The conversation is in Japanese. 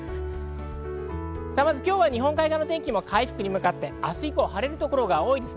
今日は日本海側の天気も回復に向かって明日以降、晴れる所が多いです。